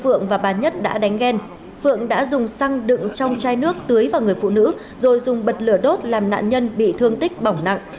phượng và bà nhất đã đánh ghen phượng đã dùng xăng đựng trong chai nước tưới vào người phụ nữ rồi dùng bật lửa đốt làm nạn nhân bị thương tích bỏng nặng